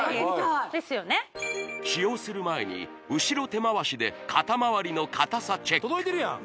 ですよね使用する前に後ろ手回しで肩まわりの硬さチェック届いてるやん！